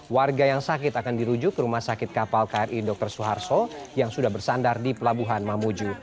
warga yang sakit akan dirujuk ke rumah sakit kapal kri dr suharto yang sudah bersandar di pelabuhan mamuju